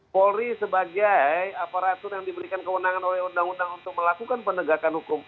polri sebagai aparatur yang diberikan kewenangan oleh undang undang untuk melakukan penegakan hukum